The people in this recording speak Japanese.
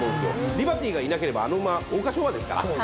リバティがいなければあの馬桜花賞馬ですから。